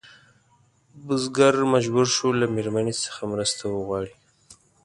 بزګر مجبور شو له مېرمنې څخه مرسته وغواړي.